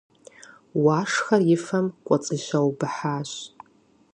Уашхэр и фэм кӏуэцӏиущэбыхьащ.